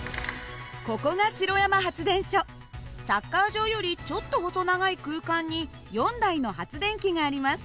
ここがサッカー場よりちょっと細長い空間に４台の発電機があります。